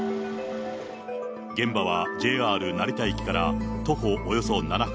現場は、ＪＲ成田駅から徒歩およそ７分。